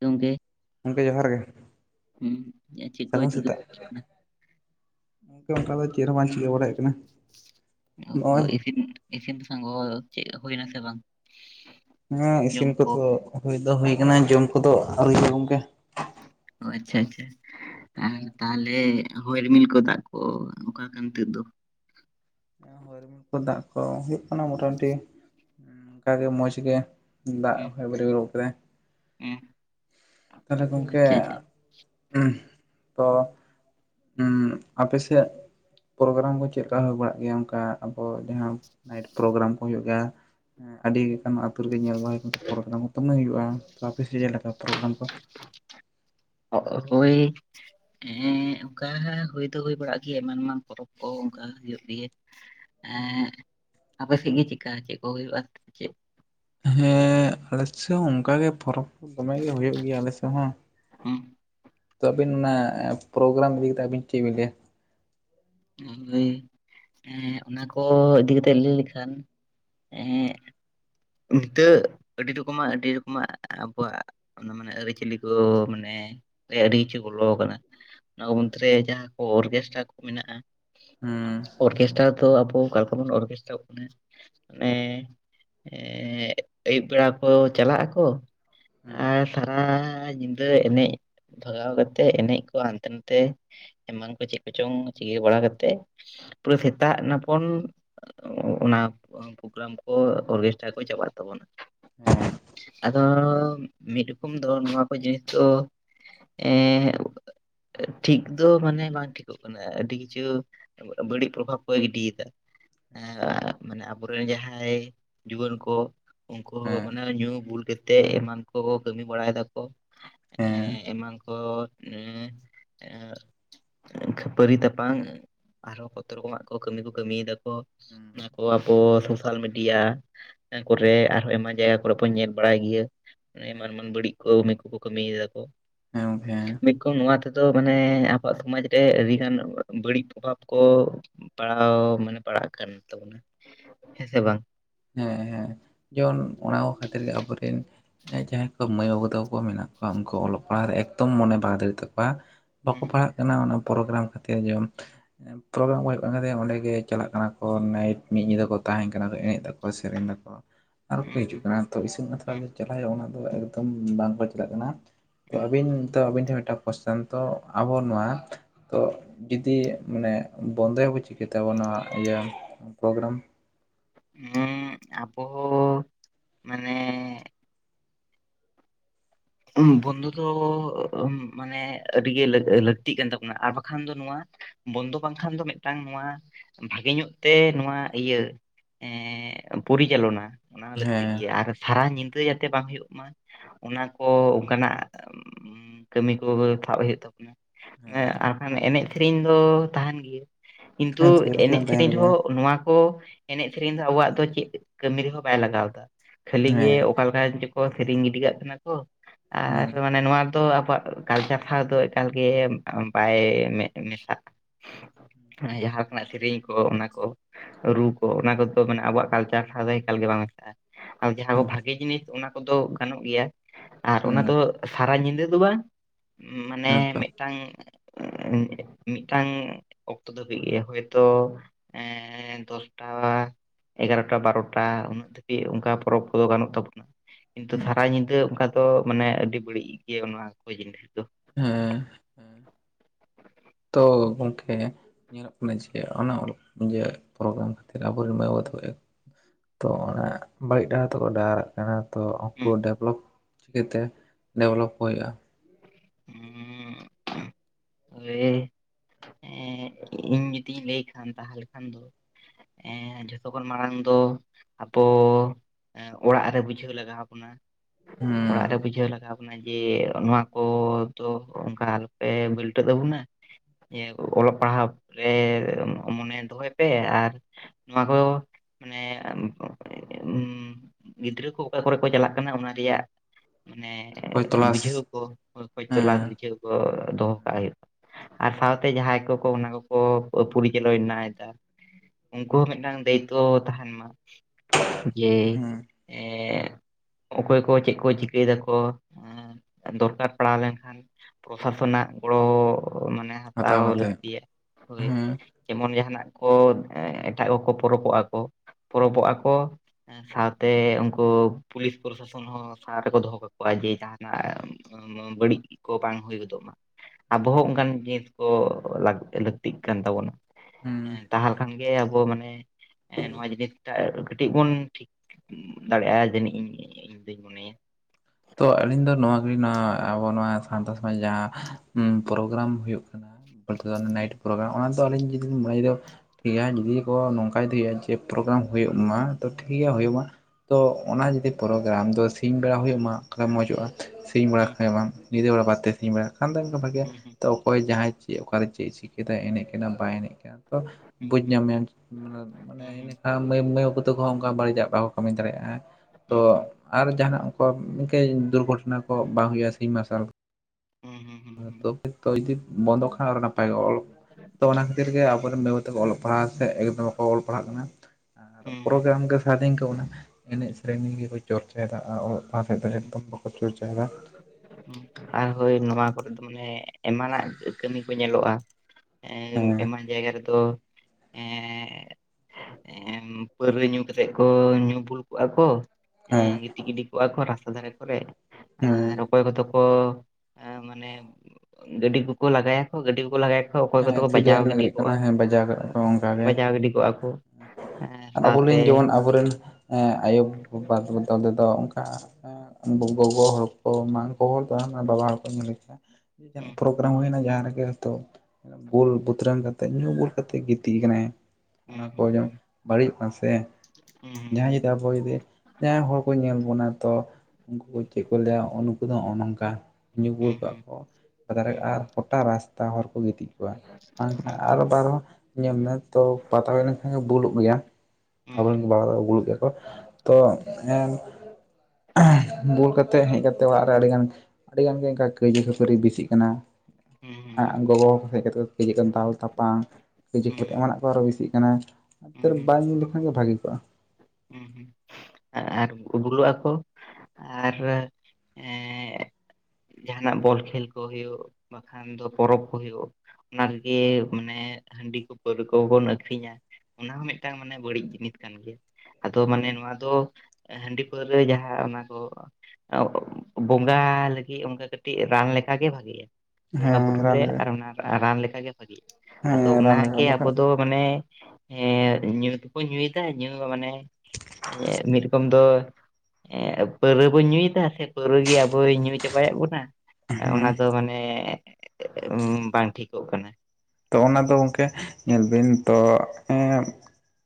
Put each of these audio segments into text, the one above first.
ᱜᱚᱝᱠᱮ ᱜᱚᱢᱠᱮ ᱡᱚᱦᱟᱨ ᱜᱮ ᱪᱮᱫ ᱠᱚ ᱥᱟᱹᱜᱩᱱ ᱪᱤᱠᱟᱹ ᱥᱮᱛᱟᱜ ᱜᱚᱝᱠᱮ ᱚᱱᱠᱟ ᱫᱚ ᱪᱮᱫ ᱦᱚᱸ ᱵᱟᱝ ᱪᱤᱠᱟᱹ ᱵᱟᱲᱟᱭ ᱦᱚᱭᱳᱜ ᱠᱟᱱᱟ ᱱᱚᱜᱼᱚᱭ ᱚ-ᱦᱚᱸ ᱤᱥᱤᱱ ᱤᱥᱤᱱ ᱵᱟᱥᱟᱝ ᱫᱚ ᱦᱩᱭᱱᱟ ᱥᱮ ᱵᱟᱝ ᱦᱮᱸ ᱡᱚᱢ ᱤᱥᱤᱱ ᱠᱚ ᱠᱚᱫᱚ ᱦᱩᱭ ᱫᱚ ᱦᱩᱭ ᱠᱟᱱᱟ ᱡᱚᱢ ᱠᱚᱫᱚ ᱟᱹᱣᱨᱤ ᱦᱚᱭᱩᱜ-ᱟ ᱜᱚᱢᱠᱮ ᱚ ᱟᱪᱪᱷᱟ ᱟᱪᱪᱷᱟ ᱟᱨ ᱛᱟᱦᱚᱞᱮ ᱦᱚᱭ ᱨᱤᱢᱤᱞ ᱠᱚ ᱫᱟᱜ ᱠᱚ ᱚᱠᱟ ᱞᱮᱠᱟ ᱱᱤᱛᱚᱜ ᱫᱚᱼᱼ ᱦᱚᱭ ᱠᱚ ᱫᱟᱜ ᱠᱚ ᱦᱩᱭᱩᱜ ᱠᱟᱱᱟ ᱢᱚᱴᱟᱢᱩᱴᱤ ᱚᱱᱠᱟ ᱜᱮ ᱢᱚᱸᱡᱽ ᱜᱮ ᱫᱟᱜ ᱦᱚᱭᱵᱟᱨᱮ ᱜᱚᱫ ᱠᱮᱫᱟᱭ ᱛᱟᱦᱚᱞᱮ ᱜᱚᱢᱠᱮ ᱟᱪᱪᱷᱟ ᱟᱪᱪᱷᱟ ᱦᱩᱸᱜ ᱛᱚᱼᱼ ᱦᱩᱸ ᱟᱯᱮ ᱥᱮᱫ ᱯᱨᱳᱜᱨᱟᱢ ᱠᱚ ᱪᱮᱫ ᱞᱮᱠᱟ ᱦᱩᱭ ᱵᱟᱲᱟᱜ ᱜᱮᱭᱟ ᱚᱱᱠᱟ ᱟᱵᱚ ᱡᱟᱦᱟᱸ ᱱᱟᱭᱤᱴ ᱯᱨᱳᱜᱨᱟᱢ ᱠᱚ ᱦᱩᱭᱩᱜ ᱜᱮᱭᱟ ᱮᱸ ᱟᱹᱰᱤ ᱠᱟᱱ ᱟᱹᱛᱩ ᱨᱮᱜᱮ ᱧᱮᱞ ᱵᱟᱲᱟ ᱦᱩᱭ ᱯᱨᱳᱜᱨᱟᱢ ᱫᱚᱢᱮ ᱦᱩᱭᱩᱜᱼᱟ ᱟᱯᱮ ᱥᱮᱫ ᱪᱮᱫ ᱞᱮᱠᱟ ᱯᱨᱳᱜᱨᱟᱢ ᱠᱚᱼᱼ ᱚ ᱦᱳᱭ ᱦᱮᱸ ᱚᱱᱠᱟ ᱦᱩᱭ ᱫᱚ ᱦᱩᱭ ᱵᱟᱲᱟᱜ ᱜᱮᱭᱟ ᱮᱢᱟᱱ ᱮᱢᱟᱱ ᱯᱚᱨᱚᱵᱽ ᱠᱚ ᱚᱱᱠᱟ ᱦᱩᱭᱩᱜ ᱜᱮᱭᱟ ᱮᱸ ᱟᱯᱮ ᱥᱮᱫ ᱜᱮ ᱪᱮᱫᱠᱟ ᱪᱮᱫ ᱠᱚ ᱦᱩᱭᱩᱜ ᱼᱟ ᱥᱮ ᱪᱮᱫ? ᱦᱮᱸ ᱟᱞᱮ ᱥᱮᱫ ᱦᱚᱸ ᱚᱱᱠᱟ ᱜᱮ ᱯᱚᱨᱚᱵᱽ ᱫᱚᱢᱮ ᱜᱮ ᱦᱩᱭᱩᱜ ᱜᱮᱭᱟ ᱟᱞᱮ ᱥᱮᱫ ᱦᱚᱸᱼᱼ ᱦᱩᱸ, ᱛᱚ ᱟᱹᱵᱤᱱ ᱚᱱᱟ ᱯᱨᱳᱜᱨᱟᱢ ᱤᱫᱤ ᱠᱟᱛᱮᱫ ᱟᱵᱤᱱ ᱪᱮᱫ ᱵᱤᱱ ᱞᱟᱹᱭᱟ ᱦᱳᱭ ᱚᱱᱟ ᱠᱚ ᱤᱫᱤ ᱠᱟᱛᱮᱫ ᱞᱟᱹᱭ ᱞᱮᱠᱷᱟᱱ ᱮᱸᱼᱼ ᱱᱤᱛᱚᱜ ᱟᱹᱰᱤ ᱨᱚᱠᱚᱢᱟᱜ ᱟᱹᱰᱤ ᱨᱚᱠᱚᱢᱟᱜ ᱟᱵᱚᱣᱟᱜ ᱚᱱᱟ ᱢᱟᱱᱮ ᱟᱹᱨᱤᱪᱟᱹᱞᱤ ᱠᱚ ᱢᱟᱱᱮ ᱟᱹᱰᱤ ᱠᱤᱪᱷᱩ ᱵᱚᱞᱚᱣ ᱠᱟᱱᱟ ᱚᱱᱟ ᱢᱩᱫᱽ ᱨᱮ ᱡᱟᱦᱟᱸ ᱠᱚ ᱚᱨᱜᱮᱥᱴᱟᱨ ᱠᱚ ᱢᱮᱱᱟᱜᱼᱟ ᱦᱩᱸ ᱚᱨᱠᱮᱥᱴᱟᱨ ᱫᱚ ᱟᱵᱚ ᱚᱠᱟᱞᱮᱠᱟ ᱵᱚᱱ ᱚᱨᱠᱮᱥᱴᱟᱨ ᱟᱵᱚ ᱛᱮ ᱴᱮ ᱮᱸ ᱟᱹᱭᱩᱵ ᱵᱮᱲᱟ ᱠᱚ ᱪᱟᱞᱟᱜ ᱟᱠᱚ᱾ ᱦᱩᱸ ᱟᱨ ᱥᱟᱨᱟ ᱧᱤᱫᱟᱹ ᱮᱱᱮᱡ᱾ ᱵᱷᱟᱜᱟᱣ ᱠᱟᱛᱮᱫ ᱮᱱᱮᱡ ᱠᱚ ᱦᱟᱱᱛᱮ ᱱᱟᱛᱮ ᱮᱢᱟᱱ ᱠᱚ ᱪᱮᱫ ᱠᱚᱪᱚᱝ ᱪᱤᱠᱟᱹ ᱵᱟᱲᱟ ᱠᱟᱛᱮ ᱯᱩᱨᱟᱹ ᱥᱮᱛᱟᱜ ᱱᱟᱯᱚᱱ ᱚᱱᱟ ᱯᱨᱚᱜᱨᱟᱢ ᱠᱚ ᱚᱨᱜᱮᱥ ᱪᱟ ᱠᱚᱭ ᱪᱟᱵᱟᱜ ᱛᱟᱵᱚᱱᱟ ᱟᱫᱚ ᱢᱤᱫ ᱨᱚᱠᱚᱢ ᱫᱚ ᱱᱚᱣᱟ ᱠᱚ ᱡᱤᱱᱤᱥ ᱫᱚ᱾ ᱮᱸᱜ ᱴᱷᱤᱠ ᱫᱚ ᱢᱟᱱᱮ ᱵᱟᱝ ᱴᱷᱤᱠᱚᱜ᱾ ᱢᱟᱱᱮ ᱟᱹᱰᱤ ᱠᱤᱪᱷᱩ ᱵᱟᱹᱲᱤᱡ ᱯᱨᱚᱵᱷᱟᱵᱽ ᱠᱚᱭ ᱜᱤᱰᱤᱭᱮᱫᱟ᱾ ᱮᱸ ᱢᱟᱱᱮ ᱟᱵᱚᱨᱮᱱ ᱡᱟᱦᱟᱸᱭ ᱡᱩᱣᱟᱹᱱ ᱠᱚ ᱩᱱᱠᱩ ᱦᱚᱸ ᱦᱮᱸ ᱢᱟᱱᱮ ᱧᱩ ᱵᱩᱞ ᱠᱟᱛᱮ ᱛᱮ ᱮᱢᱟᱱ ᱠᱚᱠᱚ ᱠᱟᱹᱢᱤ ᱵᱟᱲᱟᱭ ᱫᱟᱠᱚ᱾ ᱦᱮᱸ ᱮᱢᱟᱱ ᱠᱚ ᱮᱸ ᱠᱷᱟᱹᱯᱟᱹᱨᱤ ᱛᱟᱯᱟᱝ᱾ ᱟᱨᱚ ᱠᱛᱚ ᱨᱚᱠᱚᱢᱟᱜ ᱠᱚ ᱠᱟᱹᱢᱤ ᱠᱚ ᱠᱟᱹᱢᱤᱭ ᱫᱟ ᱠᱚ ᱚᱱᱟ ᱦᱮᱸ ᱠᱚ ᱟᱵᱚ ᱥᱳᱥᱟᱞ ᱢᱤᱰᱤᱭᱟ ᱠᱚᱨᱮ ᱟᱨᱦᱚᱸ ᱮᱢᱟᱱ ᱡᱟᱭᱜᱟ ᱠᱚᱨᱮ ᱵᱚᱱ ᱧᱮᱞ ᱵᱟᱲᱟᱭ ᱜᱮᱭᱟ ᱮᱢᱟᱱ ᱦᱮᱸ ᱮᱢᱟᱱ ᱵᱟᱹᱲᱤᱡ ᱠᱟᱹᱣᱢᱮ ᱠᱚᱠᱚ ᱠᱟᱹᱢᱤᱭ ᱫᱟ ᱠᱚ ᱜᱚᱝᱠᱮ ᱦᱮᱸ ᱠᱚ ᱱᱚᱣᱟ ᱛᱮᱫᱚ ᱢᱟᱱᱮ ᱟᱵᱚᱣᱟᱜ ᱥᱚᱢᱟᱡ ᱨᱮ ᱟᱹᱰᱤ ᱜᱟᱱ ᱵᱟᱹᱲᱤᱡ ᱯᱨᱚᱵᱷᱟᱵ ᱠᱚ ᱯᱟᱲᱦᱟᱣ ᱢᱟᱱᱮ ᱯᱟᱲᱦᱟᱜ ᱠᱟᱱ ᱛᱟᱵᱚᱱᱟ ᱦᱮᱸ ᱥᱮ ᱵᱟᱝ ᱦᱮ ᱦᱮ ᱡᱮᱢᱚᱱ ᱚᱱᱟ ᱠᱚ ᱠᱷᱟᱹᱛᱤᱨ ᱜᱮ ᱟᱵᱚ ᱨᱮᱱ [unintelligible] ᱡᱟᱦᱟᱸᱭ ᱠᱚ ᱢᱟᱹᱭ ᱡᱟᱦᱟᱭ ᱢᱟᱹᱭ ᱵᱟᱹᱵᱩ ᱛᱟᱠᱚ ᱢᱮᱱᱟᱜ ᱠᱚᱣᱟ ᱩᱱᱠᱩ ᱚᱞᱚᱜ ᱯᱟᱲᱦᱟᱜ ᱨᱮ ᱮᱠᱫᱚᱢ ᱢᱚᱱᱮ ᱵᱟᱭ ᱫᱟᱹᱲ ᱮᱫ ᱛᱟᱠᱚᱣᱟ ᱵᱟᱠᱚ ᱦᱩᱸ ᱯᱟᱲᱦᱟᱜ ᱠᱟᱱᱟ ᱚᱱᱟ ᱯᱨᱳᱜᱨᱟᱢ ᱠᱷᱟᱹᱛᱤᱨ ᱡᱮᱢᱚ ᱛᱚᱵᱮ ᱚᱭ ᱚᱸᱰᱮ ᱜᱮ ᱪᱟᱞᱟᱜ ᱠᱟᱱᱟ ᱠᱚ ᱱᱟᱭᱤᱴ ᱢᱤᱫ ᱧᱤᱫᱟᱹ ᱠᱚ ᱛᱟᱦᱮᱱ ᱠᱟᱱᱟ ᱠᱚ ᱮᱱᱮᱡ ᱫᱟᱠᱚ ᱥᱮᱨᱮᱧ ᱫᱟᱠᱚ ᱟᱨ ᱯᱮ ᱦᱩᱸ ᱦᱤᱡᱩᱜ ᱦᱩᱸ ᱠᱟᱱᱟ ᱛᱚ ᱤᱥᱤᱱ ᱦᱩᱸ ᱪᱟᱞᱟᱜ ᱦᱳᱭᱳᱜᱼᱟ ᱚᱱᱟ ᱫᱚ ᱮᱠᱫᱚᱢ ᱵᱟᱝ ᱯᱟᱹᱪᱞᱟᱜ ᱠᱟᱱᱟ ᱛᱚ ᱦᱩᱸ ᱟᱹᱵᱤᱱ ᱛᱚ ᱟᱵᱤᱱ ᱴᱷᱮᱱ ᱢᱤᱫ ᱴᱟᱝ ᱠᱚᱥᱪᱮᱱ ᱛᱚ ᱟᱵᱚ ᱱᱚᱣᱟ ᱛᱚ ᱡᱩᱫᱤ ᱢᱟᱱᱮ ᱵᱚᱱᱫᱚᱭ ᱟᱵᱚ ᱪᱤᱠᱟᱹ ᱛᱮ ᱟᱵᱚ ᱱᱚᱣᱟ ᱤᱭᱟᱹ ᱯᱨᱳᱜᱨᱟᱢ᱾ ᱦᱩᱸ ᱟᱵᱚ ᱦᱚᱸ ᱢᱟᱱᱮ ᱩᱢ ᱵᱚᱱᱫᱚ ᱫᱚ ᱩᱢ ᱢᱟᱱᱮ ᱟᱹᱰᱤ ᱜᱮ ᱞᱟᱹᱠᱛᱤᱜ ᱠᱟᱱ ᱛᱟᱵᱚᱱᱟ ᱟᱨ ᱵᱟᱠᱷᱟᱱ ᱫᱚ ᱱᱚᱣᱟ ᱵᱚᱱᱫᱚ ᱵᱟᱝᱠᱷᱟᱱ ᱫᱚ ᱢᱤᱫ ᱴᱟᱝ ᱱᱚᱣᱟ ᱵᱷᱟᱜᱮ ᱧᱚᱜ ᱛᱮ ᱱᱚᱣᱟ ᱤᱭᱟᱹ ᱮ ᱯᱚᱨᱤᱪᱟᱞᱚᱱᱟ ᱚᱱᱟ ᱞᱟᱹᱠᱛᱤ ᱦᱮᱸ ᱜᱮᱭᱟ ᱟᱨ ᱥᱟᱨᱟ ᱧᱤᱫᱟᱹ ᱡᱟᱛᱮ ᱵᱟᱝ ᱦᱳᱭᱳᱜ ᱢᱟ ᱚᱱᱟ ᱠᱚ ᱚᱱᱠᱟᱱᱟᱜ ᱩᱸ ᱠᱟᱹᱢᱤ ᱠᱚ ᱛᱷᱟᱵ ᱦᱳᱭᱳᱜ ᱛᱟᱵᱚᱱᱟ ᱟᱠᱷᱟᱱ ᱮᱱᱮᱡ ᱥᱮᱨᱮᱧ ᱫᱚ ᱛᱟᱦᱮᱱ ᱜᱮᱭᱟ ᱠᱤᱱᱛᱩ ᱦᱮᱸ ᱛᱚ ᱠᱟᱛᱷᱟ ᱮᱱᱮᱡ ᱠᱟᱱ ᱛᱟᱦᱮᱱ ᱥᱮᱨᱮᱧ ᱜᱮᱭᱟ ᱨᱮᱦᱚᱸ ᱱᱚᱣᱟ ᱠᱚ ᱮᱱᱮᱡ ᱥᱮᱨᱮᱧ ᱫᱚ ᱟᱵᱚᱣᱟᱜ ᱫᱚ ᱪᱮᱫ ᱠᱟᱹᱢᱤ ᱨᱮᱦᱚᱸ ᱵᱟᱭ ᱞᱟᱜᱟᱣ ᱫᱟ ᱠᱷᱟᱹᱞᱤ ᱜᱮ ᱦᱮᱸ ᱚᱠᱟ ᱛᱟᱦᱮᱱ ᱡᱚᱠᱚ ᱥᱮᱨᱮᱧ ᱜᱤᱰᱤ ᱠᱟᱜ ᱠᱟᱱᱟ ᱠᱚ ᱟᱨ ᱦᱮᱸ ᱢᱟᱱᱮ ᱱᱚᱣᱟ ᱫᱚ ᱟᱵᱚᱣᱟᱜ ᱠᱟᱞᱪᱟᱨ ᱥᱟᱣ ᱫᱚ ᱮᱠᱟᱞ ᱜᱮ ᱵᱟᱭ ᱢᱮᱥᱟᱜ᱾ ᱚᱱᱮ ᱡᱟᱦᱟᱸ ᱠᱚᱱᱟᱜ ᱥᱮᱨᱮᱧ ᱠᱚ ᱚᱱᱟ ᱠᱚ ᱨᱩ ᱠᱚ ᱚᱱᱟ ᱠᱚ ᱫᱚ ᱢᱟᱱᱮ ᱟᱵᱚᱣᱟᱜ ᱠᱟᱞᱪᱟᱨ ᱥᱟᱣ ᱫᱚ ᱮᱠᱟᱞ ᱜᱮ ᱵᱟᱝ ᱢᱮᱥᱟᱜᱼᱟ᱾ ᱟᱨ ᱡᱟᱦᱟᱸ ᱠᱚ ᱦᱮᱸ ᱵᱷᱟᱜᱤ ᱡᱤᱱᱤᱥ ᱚᱱᱟ ᱠᱚ ᱫᱚ ᱜᱟᱱᱚᱜ ᱜᱮᱭᱟ᱾ ᱟᱨ ᱚᱱᱟ ᱦᱮᱸ ᱫᱚ ᱥᱟᱨᱟ ᱧᱤᱫᱟᱹ ᱫᱚ ᱵᱟᱝ ᱢᱟᱱᱮ ᱦᱮᱸ ᱛᱚ ᱢᱤᱫᱴᱟᱝ᱾ ᱚ ᱢᱤᱫᱴᱟᱝ ᱚᱠᱛᱚ ᱫᱚ ᱦᱩᱭᱩᱜ ᱜᱮᱭᱟ ᱦᱳᱭᱛᱳ ᱮᱸ ᱫᱚᱥ ᱴᱟ᱾ ᱮᱜᱟᱨᱚᱴᱟ ᱵᱟᱨᱳᱴᱟ ᱩᱱᱟᱹᱜ ᱫᱷᱟᱹᱵᱤᱡ ᱚᱱᱠᱟ ᱯᱚᱨᱚᱵᱽ ᱠᱚ ᱫᱚ ᱜᱟᱱᱚᱜ ᱛᱟᱵᱚ ᱱᱟ ᱠᱤᱱᱛᱩ ᱦᱮᱸ ᱥᱟᱨᱟ ᱧᱤᱫᱟᱹ ᱟᱫᱚ ᱢᱟᱱᱮ ᱟᱹᱰᱤ ᱵᱟᱹᱲᱤᱡ ᱜᱮ ᱚᱱᱟ ᱠᱚ ᱡᱤᱱᱤᱥ ᱫᱚ ᱦᱮᱸ ᱦᱮᱸ ᱛᱚ ᱜᱚᱝᱠᱮ᱾ ᱧᱮᱞᱚᱜ ᱠᱟᱱᱟ ᱡᱮ ᱚᱱᱟ ᱚᱞᱚᱜ ᱡᱮ ᱯᱨᱳᱜᱨᱟᱢ ᱠᱷᱟᱹᱛᱤᱨ ᱟᱵᱚᱨᱮᱱ ᱢᱟᱹᱭ ᱵᱟᱵᱩ ᱛᱟᱠᱚ᱾ ᱛᱚ ᱚᱱᱟ ᱵᱟᱹᱲᱤᱡ ᱰᱟᱦᱟᱨ ᱛᱮ ᱠᱚ ᱰᱟᱦᱟᱨᱟᱜ ᱠᱟᱱᱟ᱾ ᱛᱚ ᱩᱱᱠᱩ ᱦᱩᱸ ᱰᱮᱵᱷᱞᱚᱯ ᱪᱤᱠᱟᱹᱛᱮ ᱰᱮᱵᱷᱞᱚᱯ ᱠᱚ ᱦᱩᱭᱩᱜ-ᱟ᱾ ᱩᱸ [unintelligible] [unintelligible] ᱤᱧ ᱡᱩᱫᱤᱧ ᱞᱟᱹᱭ ᱠᱷᱟᱱ ᱛᱟᱦᱞᱮ ᱠᱷᱟᱱ ᱫᱚ᱾ ᱮᱸ ᱡᱷᱚᱛᱚ ᱠᱷᱚᱱ ᱢᱟᱲᱟᱝ ᱫᱚ ᱟᱵᱚ᱾ ᱚᱲᱟᱜ ᱨᱮ ᱵᱩᱡᱷᱟᱹᱣ ᱞᱟᱜᱟᱣ ᱟᱵᱚᱱᱟ ᱦᱮᱸ ᱚᱲᱟᱜ ᱨᱮ ᱵᱩᱡᱷᱟᱹᱣ ᱞᱟᱜᱟᱣ ᱡᱮ ᱱᱚᱣᱟ ᱠᱚ ᱫᱚ ᱚᱱᱠᱟ ᱟᱞᱚ ᱯᱮ ᱵᱟᱹᱞᱴᱟᱹᱜ ᱛᱟᱵᱚᱱᱟ᱾ ᱚᱞᱚᱜ ᱯᱟᱲᱦᱟᱣ ᱨᱮ ᱢᱚᱱᱮ ᱫᱚᱦᱚᱭ ᱯᱮ ᱟᱨ ᱱᱚᱣᱟ ᱠᱚ ᱢᱟᱱᱮ᱾ ᱜᱤᱫᱽᱨᱟᱹ ᱠᱚ ᱚᱠᱟ ᱠᱚᱨᱮ ᱠᱚ ᱪᱟᱞᱟᱜ ᱠᱟᱱᱟ ᱚᱱᱟ ᱨᱮᱭᱟᱜ ᱢᱟᱱᱮ ᱚᱠᱚᱭ ᱛᱚᱞᱟᱥ ᱵᱩᱡᱷᱟᱹᱣ ᱠᱚ ᱠᱷᱚᱡ ᱛᱚᱞᱟᱥ ᱦᱮᱸ ᱵᱩᱡᱷᱟᱹᱣ᱾ ᱫᱚᱦᱚ ᱠᱟᱜ ᱦᱩᱭᱩᱜ-ᱟ᱾ ᱟᱨ ᱥᱟᱶ ᱛᱮ ᱡᱟᱦᱟᱸᱭ ᱠᱚ ᱠᱚ ᱚᱱᱟ ᱠᱚ᱾ ᱠᱚ [unintelligible] ᱩᱱᱠᱩ ᱦᱚᱸ ᱢᱤᱫ ᱴᱟᱝ ᱫᱟᱭᱤᱛᱛᱚ ᱛᱟᱦᱮᱱ ᱢᱟ᱾ ᱡᱮ ᱦᱮᱸ ᱮᱻ ᱚᱠᱚᱭ ᱠᱚ ᱪᱮᱫ ᱠᱚ ᱪᱤᱠᱟᱹᱭ ᱫᱟ ᱠᱚ ᱫᱚᱨᱠᱟᱨ ᱯᱟᱲᱟᱣ ᱞᱮᱱ ᱠᱷᱟᱱ ᱯᱨᱚᱥᱟ ᱥᱚᱱᱟᱜ ᱜᱚᱲᱚ ᱢᱟᱱᱮ ᱦᱟᱛᱟᱣ ᱞᱟᱠᱛᱤᱭᱟ᱾ ᱦᱳᱭ ᱦᱮᱸ ᱡᱮᱢᱚᱱ ᱡᱟᱦᱟ ᱱᱟᱜ ᱠᱚ ᱮᱴᱟᱜ ᱠᱚ ᱠᱚ ᱯᱚᱨᱚᱵᱽ ᱚᱜ-ᱟ ᱠᱚ ᱯᱚᱨᱚᱵᱽ ᱚᱜ-ᱟ ᱠᱚ᱾ ᱥᱟᱶᱛᱮ ᱩᱱᱠᱩ ᱯᱩᱞᱤᱥ ᱯᱨᱚ ᱥᱟᱥᱚᱱ ᱦᱚᱸ ᱥᱟᱣ ᱨᱮ ᱠᱚ ᱫᱚ ᱠᱟᱠᱚᱣᱟ ᱡᱮ ᱡᱟᱦᱟ ᱱᱟᱜ ᱵᱟᱹᱲᱤᱡ ᱠᱚ ᱵᱟᱝ ᱦᱩᱭ ᱜᱚᱫᱚᱜ ᱢᱟ᱾ ᱟᱵᱚ ᱦᱚᱸ ᱚᱱᱠᱟᱱ ᱡᱤᱱᱤᱥ ᱠᱚ ᱞᱟᱹᱠ- ᱞᱟᱹᱠᱛᱤᱜ ᱠᱟᱱ ᱛᱟᱵᱚᱱᱟ, ᱦᱮᱸ ᱛᱟᱦᱚᱞᱮ ᱠᱷᱟᱱ ᱜᱮ ᱟᱵᱚ ᱢᱟᱱᱮ ᱱᱚᱣᱟ ᱡᱤᱱᱤᱥ ᱴᱟᱜ ᱠᱟᱹᱴᱤᱡ ᱵᱚᱱ ᱴᱷᱤᱠ ᱫᱟᱲᱮᱭᱟᱜ-ᱟ, ᱡᱟᱹᱱᱤᱡ ᱤᱧ ᱫᱩᱧ ᱢᱚᱱᱮᱭᱟ᱾ ᱛᱚ ᱟᱹᱞᱤᱧ ᱫᱚ ᱱᱚᱣᱟ ᱜᱮᱞᱤᱧ ᱱᱚᱣᱟ ᱟᱵᱚ ᱱᱚᱣᱟ ᱥᱟᱱᱛᱟᱲ ᱥᱚᱢᱟᱡᱽ ᱡᱟᱦᱟᱸ ᱦᱩᱸ ᱯᱨᱳᱜᱨᱟᱢ ᱦᱩᱭᱩᱜ ᱠᱟᱱᱟ᱾ ᱵᱚᱞᱛᱮ ᱫᱚ ᱟᱨ ᱱᱟᱭᱤᱴ ᱯᱨᱳᱜᱨᱟᱢ ᱚᱱᱟ ᱫᱚ ᱟᱹᱞᱤᱧ ᱡᱩᱫᱤᱧ ᱢᱚᱬᱮ ᱫᱚ᱾ ᱴᱷᱤᱠ ᱜᱮᱭᱟ ᱡᱩᱫᱤ ᱠᱚ ᱱᱚᱝᱠᱟ ᱤᱫᱤ ᱦᱩᱭᱩᱜ-ᱟ, ᱡᱮ ᱯᱨᱳᱜᱨᱟᱢ ᱦᱩᱭᱩᱜ ᱢᱟ ᱛᱚ ᱴᱷᱤᱠ ᱜᱮᱭᱟ ᱦᱩᱭᱩᱜ ᱢᱟ᱾ ᱛᱚ ᱚᱱᱟ ᱡᱩᱫᱤ ᱯᱨᱳᱜᱨᱟᱢ ᱫᱚ ᱥᱤᱧ ᱵᱮᱲᱟ ᱦᱩᱭᱩᱜ ᱢᱟ᱾ ᱢᱚᱡᱽ ᱚᱜ-ᱟ ᱥᱤᱧ ᱵᱟᱲᱟ ᱠᱷᱟ ᱵᱟᱝ ᱧᱤᱫᱟᱹ ᱵᱮᱲᱟ ᱵᱟᱫᱛᱮ ᱥᱮ ᱵᱮᱲ ᱠᱷᱟᱱ ᱫᱚ ᱵᱷᱟᱜᱮᱭᱟ ᱛᱚ ᱚᱠᱚᱭ ᱡᱟᱦᱟᱸᱭ ᱪᱮᱫ ᱚᱠᱟᱨᱮ ᱪᱮᱫ ᱮ ᱪᱤᱠᱟᱹᱭᱟ ᱮᱱᱮᱡ ᱠᱮᱫᱟᱢ ᱵᱟᱭ ᱮᱱᱮᱡ ᱠᱟᱱᱟ᱾ ᱛᱚ ᱵᱩᱡᱽ ᱧᱟᱢᱮᱭᱟ ᱢᱟᱱᱮ ᱮᱱᱟᱹᱠᱷᱟᱱ ᱢᱟᱹᱭ ᱵᱟᱹᱵᱩ ᱛᱟᱠᱚ ᱦᱚᱸ ᱚᱱᱠᱟ ᱵᱟᱹᱲᱤᱡᱟᱜ ᱵᱟᱠᱚ ᱠᱟᱹᱢᱤ ᱫᱟᱲᱮᱭᱟᱜ-ᱟ, ᱛᱚ ᱟᱨ ᱡᱟᱦᱟᱱᱟᱜ ᱩᱱᱠᱟ ᱥᱮ ᱫᱩᱨᱜᱷᱚᱴᱚᱱᱟ ᱠᱚ ᱵᱟᱝ ᱦᱩᱭᱩᱜ-ᱟ ᱥᱤ ᱢᱟᱨᱥᱟᱞ᱾ ᱦᱩᱸ ᱦᱩᱸ ᱦᱩᱸ [inaudible] ᱡᱩᱫᱤ ᱵᱚᱱᱫᱚ ᱠᱷᱟᱱ ᱟᱨ ᱱᱟᱯᱟᱭ ᱛᱚ ᱚᱱᱟ ᱠᱷᱟᱹᱛᱤᱨ ᱜᱮ ᱟᱵᱚᱨᱮᱱ ᱢᱟᱹᱭ ᱵᱟᱵᱩ ᱛᱮᱠᱚ ᱚᱞᱚᱜ ᱯᱟᱲᱦᱟᱣ ᱥᱮᱫ ᱮᱠᱫᱚᱢ ᱵᱟᱠᱚ ᱚᱞ ᱯᱟᱲᱦᱟᱜ ᱠᱟᱱᱟ ᱟᱨ ᱯᱨᱳᱜᱨᱟᱢ ᱜᱮ ᱥᱟᱨᱟ ᱫᱤᱱ ᱠᱚ ᱚᱱᱟ ᱮᱱᱮᱡ ᱥᱮᱨᱮᱧ ᱱᱤᱭᱮ ᱜᱮᱠᱚ ᱪᱚᱨᱪᱟᱭ ᱮᱫᱟ ᱟᱨ ᱚᱞᱚᱜ ᱯᱟᱲᱦᱟᱣ ᱥᱮᱫ ᱫᱚ ᱮᱠᱫᱚᱢ ᱵᱟᱠᱚ ᱪᱚᱨᱪᱟᱭ ᱮᱫᱟ᱾ ᱟᱨ ᱦᱳᱭ ᱱᱚᱣᱟ ᱠᱚᱨᱮ ᱫᱚ ᱢᱟᱱᱮ ᱮᱢᱟᱱᱟᱜ ᱠᱟᱹᱢᱤ ᱠᱚ ᱧᱮᱞᱚᱜ-ᱟ᱾ ᱮ ᱦᱮᱸ ᱮᱢᱟ ᱡᱟᱭᱜᱟ ᱨᱮᱫᱚ᱾ ᱯᱟᱹᱣᱨᱟᱹ ᱧᱩ ᱠᱟᱛᱮᱜ ᱠᱚ ᱧᱩ ᱵᱩᱞ ᱠᱚᱜ-ᱟ ᱠᱚ᱾ ᱦᱮᱸ ᱜᱤᱛᱤᱡ ᱜᱤᱰᱤ ᱠᱚᱜ-ᱟ, ᱠᱚ ᱨᱟᱥᱛᱟ ᱫᱷᱟᱨᱮ ᱠᱚᱨᱮ ᱟᱨ ᱦᱮᱸ ᱚᱠᱚᱭ ᱠᱚᱫᱚ ᱠᱚ ᱢᱟᱱᱮ ᱜᱟᱹᱰᱤ ᱠᱚᱠᱚ ᱞᱟᱜᱟᱭ ᱟᱠᱚ ᱜᱟᱹᱰᱤ ᱠᱚᱠᱚ ᱞᱟᱜᱟᱭ᱾ ᱦᱮ ᱮᱠᱥᱤᱰᱮᱱᱴ ᱨᱮ ᱦᱳᱭᱳᱜ ᱠᱟᱱᱟ ᱦᱮᱸ ᱵᱟᱡᱟᱨ ᱨᱚᱝ ᱚᱱᱠᱟᱜ ᱜᱮ᱾ ᱵᱟᱡᱟᱣ ᱜᱤᱰᱤ ᱠᱚᱜᱼᱟ ᱠᱚ ᱟᱨ ᱥᱟᱶᱛᱮ ᱟᱵᱚᱞᱮᱱ ᱡᱮᱢᱚᱱ ᱟᱵᱚᱨᱮᱱ ᱮᱸᱜ ᱟᱭᱳᱼᱵᱟᱵᱟ ᱛᱚ ᱫᱚ ᱚᱝᱠᱟ ᱜᱚᱜᱚ ᱦᱚᱲ ᱠᱚ ᱵᱟᱝ ᱠᱚ ᱜᱚᱜᱼᱟ ᱦᱚᱲ ᱫᱚ ᱵᱟᱵᱟ ᱦᱚᱲ ᱠᱚ ᱧᱮᱞᱟᱹᱭ ᱠᱮᱫ ᱡᱩᱫᱤ ᱡᱟᱦᱟᱸᱱᱟᱜ ᱯᱨᱳᱜᱨᱟᱢ ᱦᱩᱭᱱᱟ ᱡᱟᱦᱟᱸ ᱨᱮᱜᱮ ᱦᱚᱛᱚ ᱵᱚᱞ ᱵᱩᱛᱨᱟᱝ ᱠᱟᱛᱮᱜ ᱧᱩ ᱵᱚᱞ ᱠᱟᱛᱮᱜ ᱜᱤᱛᱤᱡ ᱠᱟᱱᱟᱭ, ᱚᱱᱟ ᱠᱚ ᱡᱚᱢ ᱵᱟᱹᱲᱤᱡ ᱠᱟᱱᱟ ᱥᱮ ᱡᱟᱦᱟᱸᱭ ᱡᱩᱫᱤ ᱟᱵᱚ ᱡᱩᱫᱤ ᱡᱟᱦᱟᱸᱭ ᱦᱚᱲ ᱠᱚ ᱧᱮᱞ ᱵᱚᱱᱟ ᱛᱚ ᱩᱝᱠᱩ ᱠᱚ ᱪᱮᱫ ᱠᱚ ᱞᱟᱹᱭᱟ ᱩᱱᱩᱠᱩ ᱫᱚᱜᱚ ᱱᱚᱝᱠᱟ, ᱧᱩ ᱵᱩᱞ ᱠᱟᱜᱼᱟ ᱠᱚ ᱫᱷᱟᱨᱮ ᱟᱨ ᱜᱚᱴᱟ ᱨᱟᱥᱛᱟ ᱦᱚᱲ ᱠᱚ ᱜᱤᱛᱤᱡ ᱠᱚᱣᱟ ᱵᱟᱝᱠᱷᱟᱱ ᱟᱨᱚ ᱵᱟᱨᱦᱚᱸ ᱧᱮᱞ ᱢᱮ ᱛᱚ ᱯᱟᱛᱟ ᱦᱩᱭ ᱞᱮᱱᱠᱷᱟᱱ ᱜᱮ ᱵᱩᱞᱩᱜ ᱜᱮᱭᱟ᱾ ᱟᱵᱚᱨᱮᱱ ᱠᱚ ᱵ ᱵᱩᱞᱩᱜ ᱠᱮᱫᱟ ᱠᱚ ᱛᱚ ᱮᱸᱱᱼᱼ ᱫᱩᱞ ᱠᱟᱛᱮᱜ ᱦᱮᱡ ᱠᱟᱛᱮᱜ ᱚᱲᱟᱜ ᱨᱮ ᱟᱹᱰᱤᱜᱟᱱ ᱟᱹᱰᱤᱜᱟᱱ ᱜᱮ ᱚᱝᱠᱟ ᱠᱟᱹᱭᱡᱟᱹ ᱠᱷᱟᱹᱯᱟᱹᱨᱤ ᱵᱮᱥᱤᱜ ᱠᱟᱱᱟ, ᱜᱚᱜᱚ ᱦᱮᱡ ᱠᱟᱛᱮᱜ ᱠᱚ ᱠᱟᱹᱣᱡᱟᱹ ᱠᱟᱱᱟ ᱫᱟᱞ ᱛᱟᱯᱟᱢ ᱠᱟᱹᱡᱟᱹᱜ ᱠᱚᱨᱮ ᱮᱢᱱᱟᱜ ᱠᱚ ᱟᱨᱚ ᱵᱤᱥᱤᱜ ᱠᱟᱱᱟ᱾ ᱧᱮᱛᱮᱨ ᱵᱟᱭ ᱧᱩ ᱞᱮᱠᱷᱟᱱ ᱜᱮ ᱵᱷᱟᱹᱜᱤ ᱠᱚᱜᱼᱟ᱾ ᱦᱮᱸ ᱦᱩᱸ᱾ ᱟᱨ ᱵᱩᱞᱩᱜ ᱟᱠᱚ ᱟᱨ ᱮᱸᱜ ᱡᱟᱦᱟᱸᱱᱟᱜ ᱵᱚᱞ ᱠᱷᱮᱞ ᱠᱚ ᱦᱩᱭᱩᱜ ᱠᱷᱟᱱ ᱫᱚ ᱯᱚᱨᱚᱵᱽ ᱠᱚ ᱦᱩᱭᱩᱜ ᱚᱱᱟ ᱨᱮᱜᱮ ᱢᱟᱱᱮ ᱦᱟᱺᱰᱤ ᱠᱚ ᱯᱟᱹᱣᱨᱟᱹ ᱠᱚᱵᱚᱱ ᱟᱹᱠᱷᱨᱤᱧᱟ᱾ ᱚᱱᱟ ᱦᱚᱸ ᱢᱤᱫᱴᱟᱝ ᱢᱟᱱᱮ ᱵᱟᱹᱲᱤᱡ ᱡᱤᱱᱤᱥ ᱠᱟᱱ ᱜᱮᱭᱟ, ᱟᱫᱚ ᱢᱟᱱᱮ ᱱᱚᱣᱟ ᱫᱚ ᱦᱟᱺᱰᱤ ᱯᱟᱹᱣᱨᱟᱹ ᱡᱟᱦᱟᱸ ᱚᱱᱟ ᱠᱚ ᱵᱚᱸᱜᱟ ᱞᱟᱹᱜᱤᱫ ᱚᱝᱠᱟ ᱠᱟᱹᱴᱤᱡ ᱨᱟᱱ ᱞᱮᱠᱟᱜᱮ ᱵᱷᱟᱜᱮᱭᱟ᱾ ᱵᱚᱸᱜᱟ ᱦᱮᱸ ᱵᱩᱨᱩ ᱨᱟᱱ ᱨᱮ ᱞᱮᱠᱟ ᱟᱨ ᱚᱱᱟ ᱨᱟᱱ ᱞᱮᱠᱟᱜᱮ ᱵᱷᱟᱜᱤᱜᱼᱟ, ᱟᱫᱚ ᱦᱮᱸ ᱨᱟᱱ ᱞᱮᱠᱟ ᱚᱱᱟᱜᱮ ᱟᱵᱚ ᱵᱟᱠᱷᱟᱡ ᱫᱚ ᱢᱟᱱᱮ ᱮ ᱧᱩ ᱫᱚᱠᱚ ᱧᱩᱭᱮᱫᱟ ᱧᱩ ᱢᱟᱱᱮ ᱮ ᱢᱤᱫ ᱨᱚᱠᱚᱢ ᱫᱚᱼᱼ ᱮᱸ ᱯᱟᱹᱣᱨᱟᱹ ᱵᱚᱱ ᱧᱩᱭᱫᱟ ᱥᱮ ᱯᱟᱹᱣᱨᱟᱹ ᱜᱮ ᱟᱵᱚᱭ ᱧᱩ ᱪᱟᱵᱟᱭᱮᱫ ᱵᱚᱱᱟ ᱦᱮᱸ ᱚᱱᱟ ᱫᱚ ᱢᱟᱱᱮ ᱮᱸᱜ ᱵᱟᱝ ᱴᱷᱤᱠᱚᱜ ᱠᱟᱱᱟ᱾ ᱛᱚ ᱚᱱᱟᱫᱚ ᱜᱚᱢᱠᱮ ᱧᱮᱞ ᱵᱤᱱ ᱛᱚ ᱮᱸᱜ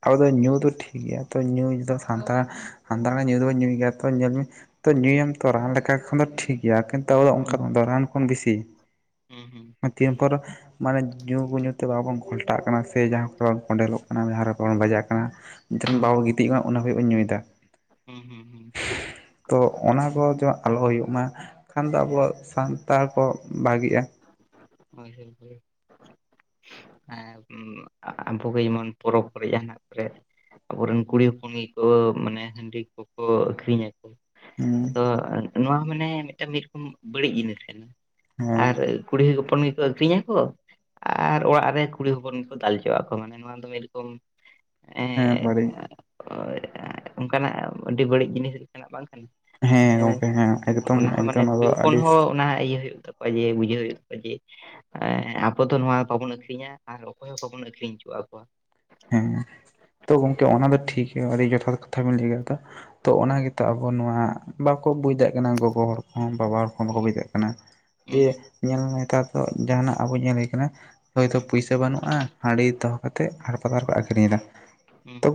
ᱟᱵᱚ ᱫᱚ ᱧᱩ ᱫᱚ ᱴᱷᱤᱠ ᱜᱮᱭᱟ ᱛᱚ ᱧᱩᱚ ᱥᱟᱱᱛᱟᱲ ᱥᱟᱱᱛᱟᱲ ᱦᱚᱸ ᱧᱩ ᱫᱚᱵᱚᱱ ᱧᱩᱭ ᱜᱮᱭᱟ ᱛᱚ ᱧᱮᱞ ᱢᱮ ᱛᱚ ᱧᱩᱭᱟᱢ ᱛᱚ ᱨᱟᱱ ᱞᱮᱠᱟᱠᱷᱚᱱ ᱫᱚ ᱴᱷᱤᱠ ᱜᱮᱭᱟ, ᱵᱟᱠᱟᱱ ᱛᱚ [inaudible] ᱚᱱᱠᱟ ᱟᱫᱚ ᱨᱟᱱ ᱠᱷᱚᱱ ᱵᱮᱥᱤ ᱦᱩᱸ ᱦᱩᱸ᱾ ᱛᱤᱦᱮᱸᱱ ᱯᱚᱨ ᱢᱟᱱᱮ ᱧᱩᱼ ᱟᱹᱜᱩ ᱧᱩ ᱛᱮ ᱵᱟᱵᱚᱱ ᱜᱷᱟᱞᱴᱟᱜ ᱠᱟᱱᱟ ᱥᱮ ᱡᱟᱦᱟᱸ ᱠᱚᱨᱮ ᱵᱚᱱ ᱠᱚᱸᱰᱮᱞᱚᱜ ᱠᱟᱱᱟ ᱡᱟᱦᱟᱸ ᱨᱮ ᱵᱟᱵᱚᱱ ᱵᱟᱡᱟᱜ ᱠᱟᱱᱟ, ᱡᱚᱛᱟᱠᱷᱚᱱ ᱦᱩᱸ ᱵᱟᱵᱚᱱ ᱜᱤᱛᱤᱡᱚᱜ-ᱟ ᱩᱱᱟᱹᱜ ᱦᱟᱵᱤᱡ ᱠᱚ ᱧᱩᱭᱫᱟ, ᱦᱩᱸ ᱦᱩᱸ ᱛᱚ ᱚᱱᱟ ᱛᱚ ᱡᱚ ᱟᱞᱚ ᱦᱩᱭᱩᱜ ᱢᱟ, ᱠᱷᱟᱱ ᱫᱚ ᱦᱳᱭ ᱟᱵᱚ ᱥᱟᱱᱛᱟᱲ ᱠᱚ ᱵᱷᱟᱹᱜᱤᱜᱼᱟ᱾ ᱦᱳᱭ ᱦᱳᱭ ᱦᱳᱭ ᱦᱮᱸ ᱟᱵᱚᱜᱮ ᱡᱮᱢᱚᱱ ᱯᱚᱨᱚᱵᱽ ᱠᱚᱨᱮ ᱡᱟᱦᱟᱸᱱᱟᱜ ᱠᱚᱨᱮ ᱟᱛᱵᱚᱨᱮᱱ ᱠᱩᱲᱤ ᱦᱚᱯᱚᱱ ᱜᱮᱠᱚ ᱢᱟᱱᱮ ᱦᱟᱺᱰᱤ ᱠᱚᱠᱚ ᱟᱹᱠᱷᱨᱤ ᱧᱟᱠᱚ᱾ ᱦᱮᱸ ᱟᱫᱚ ᱱᱚᱣᱟ ᱢᱟᱱᱮ ᱢᱤᱫᱴᱟᱝ ᱢᱤᱫᱨᱚᱠᱚᱢ ᱵᱟᱹᱲᱤᱡ ᱡᱤᱱᱤᱥ ᱠᱟᱱᱟ, ᱦᱮᱸ ᱟᱨ ᱠᱩᱲᱤ ᱦᱚᱯᱚᱱ ᱜᱮᱠᱚ ᱟᱹᱠᱷᱨᱤᱧᱟᱠᱚ ᱟᱨ ᱚᱲᱟᱜ ᱨᱮ ᱠᱩᱲᱤ ᱦᱚᱯᱚᱱ ᱜᱮᱠᱚ ᱫᱟᱞᱦᱚᱪᱚ ᱟᱠᱚ, ᱢᱟᱱᱮ ᱱᱚᱣᱟ ᱫᱚ ᱢᱤᱫᱨᱚᱠᱚᱢ ᱦᱮᱸ ᱮᱸᱜ ᱵᱟᱹᱲᱤᱡ [unintelligible] ᱚᱱᱠᱟᱱᱟᱜ ᱟᱹᱰᱤ ᱵᱟᱹᱲᱤᱡ ᱡᱤᱱᱤᱥ ᱞᱮᱠᱟᱱᱟᱜ ᱵᱟᱝ ᱠᱟᱱᱟ? ᱦᱮᱸ ᱱᱮ ᱜᱚᱝᱠᱮ ᱦᱮᱸ ᱮᱠᱫᱚᱢ ᱚᱱᱟ ᱦᱚᱸ ᱢᱟᱱᱮ ᱮᱠᱫᱚᱢ ᱱᱚᱣᱟ ᱠᱩᱲᱤ ᱫᱚ ᱦᱚᱯᱚᱱ ᱟᱹᱰᱤ ᱦᱚᱸ ᱚᱱᱟ ᱤᱭᱟᱹ ᱦᱩᱭᱩᱜ ᱛᱟ ᱠᱚᱣᱟ ᱤᱭᱟᱹ ᱵᱩᱡᱟᱹᱣ ᱦᱩᱭᱩᱜ ᱛᱟᱠᱚᱣᱟ ᱡᱮ ᱮᱸ ᱟᱵᱚ ᱫᱚ ᱱᱚᱣᱟ ᱵᱟᱵᱚᱱ ᱟᱹᱠᱷᱨᱤᱧᱟ, ᱟᱨ ᱚᱠᱚᱭ ᱦᱚᱸ ᱵᱟᱵᱚᱱ ᱟᱹᱠᱷᱨᱤᱧ ᱦᱚᱪᱚ ᱟᱠᱚᱣᱟ᱾ ᱦᱮᱸ ᱛᱚ ᱜᱚᱢᱠᱮ ᱚᱱᱟ ᱫᱚ ᱴᱷᱤᱠ ᱜᱮᱭᱟ ᱟᱹᱰᱤ ᱡᱚᱛᱷᱟᱛᱚ ᱠᱟᱛᱷᱟ ᱵᱤᱱ ᱞᱟᱹᱫᱟ᱾ ᱛᱚ ᱚᱱᱟ ᱜᱮᱛᱚ ᱟᱵᱚ ᱱᱚᱣᱟ ᱵᱟᱠᱚ ᱵᱩᱡᱽ ᱫᱮᱜ ᱠᱟᱱᱟ ᱜᱚᱜᱚ ᱦᱚᱲ ᱠᱚᱦᱚᱸ ᱵᱟᱵᱟ ᱦᱚᱲ ᱦᱚᱲ ᱵᱟᱠᱚ ᱵᱩᱡᱷ ᱫᱟᱲᱮᱭᱟᱜ ᱠᱟᱱᱟ᱾ ᱡᱮ ᱧᱮᱞᱢᱮ ᱱᱮᱛᱟᱨ ᱫᱚ ᱡᱟᱦᱟᱱᱟᱜ ᱟᱵᱚ ᱧᱮᱞ ᱦᱩᱭ ᱠᱟᱱᱟ ᱦᱳᱭᱛᱳ ᱯᱩᱭᱥᱟᱹ ᱵᱟᱹᱱᱩᱜᱼᱟ, ᱦᱟᱺᱰᱤ ᱫᱚᱦᱚ ᱠᱟᱛᱮᱫ ᱦᱟᱴᱯᱟᱛᱟ ᱨᱮᱠᱚ ᱟᱹᱠᱷᱨᱤᱧ ᱮᱫᱟ᱾ ᱛᱚ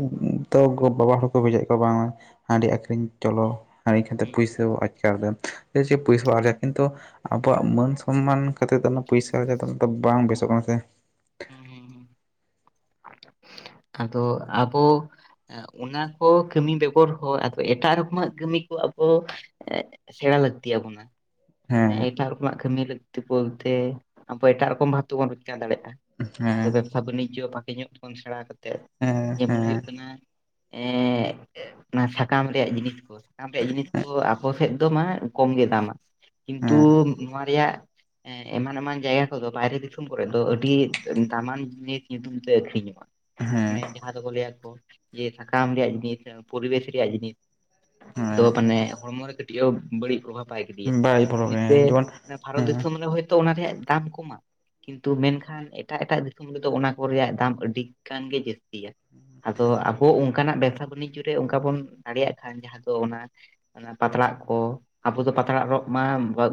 ᱛᱚ ᱜᱚ ᱵᱟᱵᱟ ᱦᱚᱲ ᱠᱚ ᱵᱩᱡᱷᱟᱹᱭᱮᱫ ᱠᱚᱣᱟ ᱵᱟᱝ ᱢᱟ ᱦᱟᱺᱰᱤ ᱟᱹᱷᱨᱤᱧ ᱪᱚᱞᱚ ᱦᱟᱺᱰᱤ ᱟᱹᱠᱷᱨᱤᱧ ᱛᱚ ᱯᱩᱭᱥᱟᱹ ᱟᱨᱡᱟᱣ ᱫᱟᱢ ᱴᱷᱤᱠᱟᱪᱷᱮ ᱯᱩᱭᱥᱟᱹ ᱟᱨᱡᱟᱣᱟ ᱠᱤᱱᱛᱩ ᱟᱵᱚᱣᱟᱜ ᱢᱟᱹᱱ ᱥᱚᱱᱢᱟᱱ ᱠᱷᱟᱹᱛᱤᱨ ᱫᱚ ᱚᱱᱟ ᱯᱩᱭᱥᱟᱹ ᱠᱟᱛᱷᱟ ᱫᱚ ᱵᱟᱝ ᱵᱮᱥᱚᱜ ᱠᱟᱱᱟ ᱥᱮ᱾ ᱦᱩᱸ ᱦᱩᱸ ᱦᱩᱸ, ᱟᱫᱚ ᱟᱵᱚ ᱚᱱᱟ ᱠᱚ ᱠᱟᱹᱢᱤ ᱵᱮᱜᱚᱨ ᱦᱚᱸ, ᱟᱫᱚ ᱮᱴᱟᱜ ᱨᱚᱠᱚᱢᱟᱜ ᱠᱟᱹᱢᱤ ᱠᱚ ᱟᱵᱚ ᱥᱮᱬᱟ ᱞᱟᱹᱠᱛᱤ ᱟᱵᱚᱱᱟ᱾ ᱢᱟᱱᱮ ᱦᱮᱸ ᱮᱴᱟᱜ ᱨᱚᱠᱚᱢᱟᱜ ᱠᱟᱹᱢᱤ ᱞᱟᱹᱠᱛᱤ ᱵᱚᱞᱛᱮ, ᱟᱵᱚ ᱮᱴᱟᱜ ᱨᱚᱠᱚᱢ ᱵᱷᱟᱵ ᱛᱮᱵᱚᱱ ᱨᱳᱡᱽᱜᱟᱨ ᱫᱟᱲᱮᱭᱟᱜᱼᱟ᱾ ᱡᱟᱦᱟᱸ ᱫᱚ ᱦᱮᱸ ᱵᱮᱵᱽᱥᱟ ᱵᱟᱱᱤᱡᱚ ᱵᱷᱟᱜᱮ ᱧᱚᱜ ᱵᱚᱱ ᱥᱮᱬᱟ ᱠᱟᱛᱮᱫ, ᱦᱮᱸ ᱡᱮᱢᱚᱱ ᱦᱮᱸ ᱦᱩᱭᱩᱜ ᱠᱟᱱᱟ ᱮᱸ ᱚᱱᱟ ᱥᱟᱠᱟᱢ ᱨᱮᱭᱟᱜ ᱡᱤᱱᱤᱥ ᱠᱚ, ᱥᱟᱠᱟᱢ ᱨᱮᱭᱟᱜ ᱡᱤᱱᱤᱥ ᱠᱚ ᱟᱵᱚ ᱥᱮᱫ ᱫᱚ ᱢᱟ ᱠᱚᱢᱜᱮ ᱫᱟᱢᱟ᱾ ᱠᱤᱱᱛᱩ ᱦᱮᱸ ᱱᱚᱣᱟ ᱨᱮᱭᱟᱜ ᱮᱢᱟᱱ ᱮᱢᱟᱱ ᱡᱟᱭᱜᱟ ᱠᱚᱫᱚ ᱵᱟᱭᱨᱮ ᱫᱤᱥᱚᱢ ᱠᱚᱨᱮᱫ ᱫᱚ ᱟᱹᱰᱤ ᱫᱟᱢᱟᱱ ᱡᱤᱱᱤᱥ ᱧᱩᱛᱩᱢ ᱛᱮ ᱟᱹᱠᱷᱤᱧ-ᱟ᱾ ᱦᱮᱸ ᱢᱟᱱᱮ ᱡᱟᱦᱟᱸ ᱫᱚᱠᱚ ᱞᱟᱹᱭᱟ ᱠᱚ, ᱡᱮ ᱥᱟᱠᱟᱢ ᱨᱮᱭᱟᱜ ᱡᱤᱱᱤᱥ ᱯᱚᱨᱤᱵᱮᱥ ᱨᱮᱭᱟᱜ ᱡᱤᱱᱤᱥ᱾ ᱫᱚ ᱦᱮᱸ ᱢᱟᱱᱮ ᱦᱚᱲᱢᱚ ᱨᱮ ᱠᱟᱹᱴᱤᱡ ᱦᱚᱸ ᱵᱟᱹᱲᱤᱡ ᱯᱨᱚᱵᱷᱟᱵᱽ ᱵᱟᱭ ᱜᱤᱰᱤᱭᱟ᱾ ᱵᱟᱭ ᱵᱚᱞᱚᱜᱮ ᱤᱱᱟᱹᱛᱮ ᱡᱮᱢᱚᱱ ᱵᱷᱟᱨᱚᱛ ᱦᱮᱸ ᱫᱤᱥᱚᱢ ᱨᱮ ᱦᱚᱭᱛᱚ ᱚᱱᱟ ᱨᱮᱭᱟᱜ ᱫᱟᱢ ᱠᱚᱢᱟ, ᱠᱤᱱᱛᱩ ᱢᱮᱱᱠᱷᱟᱱ ᱮᱴᱟᱜ ᱮᱴᱟᱜ ᱫᱤᱥᱚᱢ ᱨᱮᱫᱚ ᱚᱱᱟ ᱠᱚ ᱨᱮᱭᱟᱜ ᱫᱟᱢ ᱟᱹᱰᱤ ᱜᱟᱱ ᱜᱮ ᱡᱟᱹᱥᱛᱤᱭᱟ᱾ ᱟᱫᱚ ᱟᱵᱚ ᱚᱱᱠᱟᱱᱟᱜ ᱵᱮᱵᱽᱥᱟ ᱵᱟᱱᱤᱡᱚ ᱨᱮ ᱚᱱᱠᱟ ᱵᱚᱱ ᱫᱟᱲᱮᱭᱟᱜ ᱠᱷᱟᱱ, ᱡᱟᱦᱟᱸ ᱫᱚ ᱚᱱᱟ ᱚᱱᱟ ᱯᱟᱛᱟᱲᱟᱜ ᱠᱚ ᱟᱵᱚ ᱫᱚ ᱯᱟᱛᱟᱲᱟᱜ ᱨᱚᱜ ᱢᱟ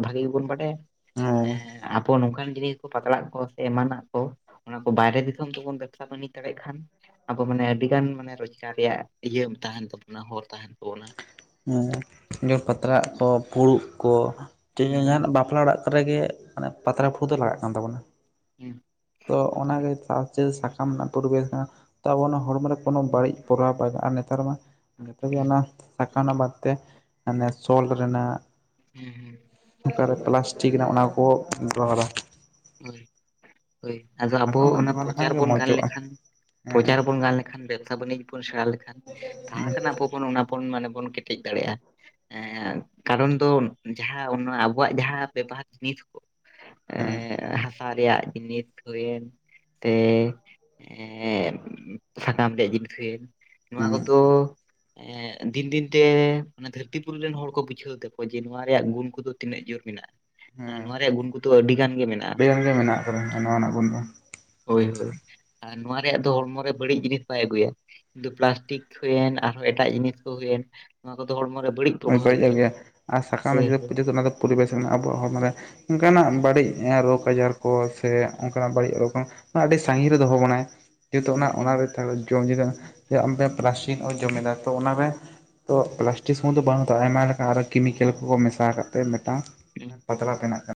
ᱵᱷᱟᱹᱜᱤ ᱜᱮᱵᱚᱱ ᱵᱟᱰᱟᱭᱟ᱾ ᱦᱮᱸ ᱮᱸ ᱟᱵᱚ ᱱᱚᱝᱠᱟᱱ ᱡᱤᱱᱤᱥ ᱠᱚ ᱯᱟᱛᱟᱲᱟᱜ ᱠᱚ ᱥᱮ ᱮᱢᱟᱱᱟᱜ ᱛᱚ ᱚᱱᱟ ᱠᱚ ᱵᱟᱭᱨᱮ ᱫᱤᱥᱚᱢ ᱛᱮᱵᱚᱱ ᱵᱮᱵᱽᱥᱟ ᱵᱟᱹᱱᱤᱡ ᱫᱟᱲᱮᱭᱟᱜ ᱠᱷᱟᱱ, ᱟᱵᱚ ᱢᱟᱱᱮ ᱟᱹᱰᱤ ᱜᱟᱱ ᱢᱟᱱᱮ ᱨᱚᱡᱽᱜᱟᱨ ᱨᱮᱭᱟᱜ ᱤᱭᱟᱹ ᱛᱟᱦᱮᱱ ᱛᱟᱵᱚᱱᱟ, ᱦᱚᱨ ᱛᱟᱦᱮᱱ ᱛᱟᱵᱚᱱᱟ᱾ ᱦᱮᱸ ᱡᱮᱢᱚᱱ ᱯᱟᱛᱟᱲᱟᱜ ᱠᱚ, ᱯᱷᱩᱲᱩᱜ ᱠᱚ ᱦᱩᱸ ᱦᱩᱸ ᱡᱟᱦᱟᱱᱟᱜ ᱵᱟᱯᱞᱟ ᱚᱲᱟᱜ ᱨᱮᱜᱮ ᱢᱟᱱᱮ ᱯᱟᱛᱟᱲᱟ ᱫᱚ ᱞᱟᱜᱟᱜ ᱠᱟᱱ ᱛᱟᱵᱚᱱᱟ᱾ ᱦᱩᱸ᱾ ᱛᱚ ᱚᱱᱟᱜᱮ ᱪᱟᱥ ᱥᱟᱠᱟᱢ ᱨᱮᱱᱟᱜ ᱯᱚᱨᱤᱵᱮᱥ ᱠᱟᱱᱟ ᱛᱚ ᱟᱵᱚ ᱚᱱᱟ ᱦᱚᱲᱢᱚ ᱨᱮ ᱠᱳᱱᱳ ᱵᱟᱹᱲᱤᱡ ᱯᱨᱚᱵᱷᱟᱵᱽ ᱵᱟᱭ ᱟᱜᱩᱭᱟ᱾ ᱱᱮᱛᱟᱨ ᱢᱟ ᱡᱚᱛᱚᱜᱮ ᱦᱩᱸ ᱚᱱᱟ ᱥᱟᱠᱟ ᱨᱮᱱᱟᱜ ᱵᱟᱫᱚᱛᱮ ᱢᱟᱱᱮ ᱥᱚᱞ ᱨᱮᱱᱟᱜ ᱦᱩᱸ ᱦᱩᱸ ᱚᱠᱟᱨᱮ, ᱯᱮᱞᱟᱥᱴᱤᱠ ᱨᱮᱱᱟᱜ ᱚᱱᱟ ᱠᱚ ᱵᱮᱵᱚᱦᱟᱨᱟ᱾ ᱦᱳᱭ, ᱦᱳᱭ ᱟᱫᱚ ᱟᱵᱚ ᱥᱟᱠᱟᱢ ᱨᱮᱱᱟᱜ ᱚᱱᱟ ᱵᱮᱵᱚᱦᱟᱨ ᱯᱨᱚᱪᱟᱨ ᱞᱮᱠᱷᱟᱱ ᱜᱮ ᱵᱚᱱ ᱜᱟᱱ ᱢᱚᱡᱚᱜᱼᱟ ᱞᱮᱠᱷᱟᱱ? ᱦᱮᱸ ᱦᱮᱸ ᱯᱨᱚᱪᱟᱨ ᱵᱚᱱ ᱜᱟᱱ ᱞᱮᱠᱷᱟᱱ ᱵᱮᱵᱽᱥᱟ ᱵᱟᱹᱱᱤᱡᱽ ᱵᱚᱱ ᱥᱮᱬᱟ ᱞᱮᱠᱷᱟᱱ? ᱛᱟᱦᱟ ᱦᱮᱸ᱾ [unintelligible] ᱚᱱᱟ ᱵᱚᱱ ᱢᱟᱱᱮ ᱵᱚᱱ ᱠᱮᱴᱮᱡ ᱫᱟᱲᱮᱭᱟᱜᱼᱟ᱾ ᱠᱟᱨᱚᱱ ᱫᱚ ᱡᱟᱦᱟᱸ ᱚᱱᱟ ᱟᱵᱚᱣᱟᱜ ᱡᱟᱦᱟᱸ ᱵᱮᱵᱷᱟᱠ ᱱᱤᱛ ᱦᱮᱸ ᱮ ᱦᱮᱸ ᱦᱟᱥᱟ ᱨᱮᱭᱟᱜ ᱱᱤᱛ ᱦᱳᱭᱮᱱ ᱛᱮ ᱮ ᱥᱟᱠᱟᱢ ᱨᱮᱭᱟᱜ ᱡᱤᱱᱤᱥ ᱦᱩᱭᱮᱱ ᱱᱚᱣᱟ ᱦᱮᱸ ᱠᱚᱫᱚ ᱫᱤᱱ ᱫᱤᱱᱛᱮ ᱫᱷᱟᱹᱨᱛᱤ ᱯᱩᱨᱤ ᱨᱮᱱ ᱦᱚᱲ ᱠᱚ ᱵᱩᱡᱷᱟᱹᱣ ᱫᱟᱠᱚ, ᱡᱮ ᱱᱚᱣᱟ ᱨᱮᱭᱟᱜ ᱜᱩᱱ ᱠᱚᱫᱚ ᱛᱤᱱᱟᱹᱜ ᱡᱳᱨ ᱢᱮᱱᱟᱜᱼᱟ ᱦᱮᱸ ᱾ᱱᱚᱣᱟ ᱨᱮᱭᱟᱜ ᱜᱩᱱ ᱠᱚᱛᱚ ᱟᱹᱰᱤ ᱜᱟᱱ ᱜᱮ ᱟᱹᱰᱤ ᱢᱮᱱᱟᱜᱼᱟ᱾ ᱜᱟᱱ ᱜᱮ ᱢᱮᱱᱟᱜ ᱟᱠᱟᱫᱟ ᱾ᱱᱚᱣᱟᱱᱟᱜ ᱜᱩᱱ ᱫᱚ ᱦᱳᱭ ᱦᱳᱭ ᱟᱨ ᱱᱚᱣᱟ ᱨᱮᱭᱟᱜ ᱫᱚ ᱦᱚᱲᱢᱚ ᱨᱮ ᱵᱟᱹᱲᱤᱡ ᱡᱤᱱᱤᱥ ᱵᱟᱭ ᱟᱜᱩᱭᱟ᱾ ᱠᱤᱱᱛᱩ ᱯᱞᱟᱥᱴᱤᱠ ᱦᱩᱭᱮᱱ ᱟᱨᱦᱚᱸ ᱮᱴᱟᱜ ᱡᱤᱱᱤᱥ ᱠᱚ ᱦᱩᱭᱮᱱ, ᱱᱚᱣᱟ ᱠᱚᱫᱚ ᱦᱚᱲᱢᱚ ᱨᱮ ᱵᱟᱹᱲᱤᱡ ᱯᱨᱚᱵᱷᱟᱵᱽ ᱮ ᱵᱟᱹᱲᱤᱡᱚᱜ ᱜᱤᱰᱤᱭᱟ ᱜᱮᱭᱟ ᱟᱨ ᱥᱟᱠᱟᱢ ᱨᱮ ᱦᱳᱭ ᱡᱩᱫᱤ ᱦᱳᱭ ᱯᱩᱡᱟᱹ ᱚᱱᱟ ᱫᱚ ᱯᱚᱨᱤᱵᱮᱥ ᱢᱮᱱᱟᱜᱼᱟ ᱟᱵᱚᱣᱟᱜ ᱦᱚᱲᱢᱚ ᱨᱮ ᱚᱱᱠᱟᱱᱟᱜ ᱦᱩᱸ ᱵᱟᱹᱲᱤᱡ ᱨᱳᱜᱽ ᱟᱡᱟᱨ ᱠᱚ ᱥᱮ ᱚᱱᱠᱟᱱᱟᱜ ᱵᱟᱹᱲᱤᱡ ᱨᱳᱜᱽ ᱟᱹᱰᱤ ᱥᱟᱸᱜᱤᱧ ᱨᱮ ᱫᱚᱦᱚ ᱵᱚᱱᱟᱭ ᱡᱮᱦᱮᱛᱩ ᱚᱱᱟ ᱦᱩᱸ ᱦᱩᱸ ᱚᱱᱟᱨᱮ ᱦᱩᱸ ᱡᱚᱢ [unintelligible] ᱯᱞᱟᱥᱴᱤᱠ ᱡᱚᱢᱮᱫᱟ ᱛᱚ ᱚᱱᱟᱨᱮ ᱯᱞᱟᱥᱴᱤ ᱩᱱ ᱫᱚ ᱵᱟᱝ ᱛᱟᱦᱮᱱᱟ ᱞᱮᱠᱟᱱ ᱟᱨᱚ ᱠᱮᱢᱤᱠᱮᱞ ᱠᱚ ᱢᱮᱥᱟ ᱠᱟᱛᱮᱫ ᱢᱤᱫᱴᱟᱝ ᱯᱟᱛᱲᱟ ᱵᱮᱱᱟᱜ ᱠᱟᱱᱟ᱾